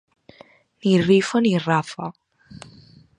Ni rifa ni rafa.